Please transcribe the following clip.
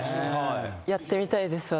やってみたいです。